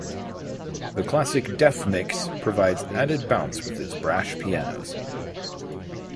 The classic Def Mix provides added bounce with its brash pianos.